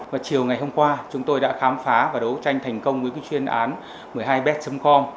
và chiều ngày hôm qua chúng tôi đã khám phá và đấu tranh thành công với chuyên án một mươi hai bet com